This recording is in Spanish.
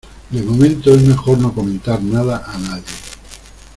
de momento es mejor no comentar nada a nadie